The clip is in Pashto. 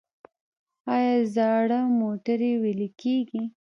آیا زاړه موټرې ویلې کیږي؟